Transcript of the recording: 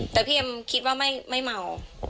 แต่พี่เอ็มคิดว่าไม่เมา